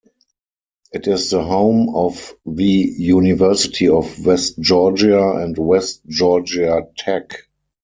It is the home of the University of West Georgia and West Georgia Tech.